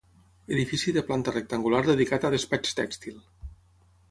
Edifici de planta rectangular dedicat a despatx tèxtil.